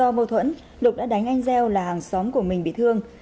vào năm hai nghìn hai do mâu thuẫn lục đã đánh anh gieo là hàng xóm của mình bị thương